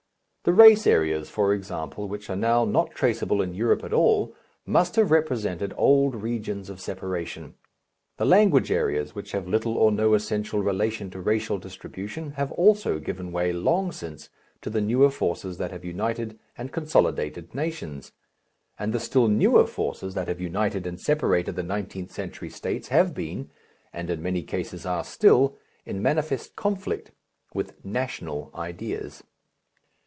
The race areas, for example, which are now not traceable in Europe at all must have represented old regions of separation; the language areas, which have little or no essential relation to racial distribution, have also given way long since to the newer forces that have united and consolidated nations. And the still newer forces that have united and separated the nineteenth century states have been, and in many cases are still, in manifest conflict with "national" ideas.